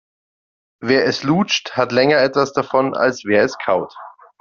Wer es lutscht, hat länger etwas davon, als wer es kaut.